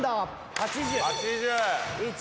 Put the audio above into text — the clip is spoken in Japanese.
８０！